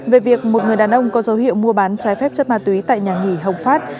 về việc một người đàn ông có dấu hiệu mua bán trái phép chất ma túy tại nhà nghỉ hồng phát